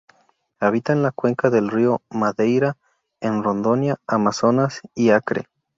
Habita en la cuenca del río Madeira en Rondônia, Amazonas y Acre.